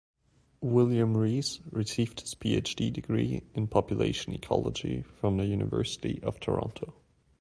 William Rees received his PhD degree in population ecology from the University of Toronto.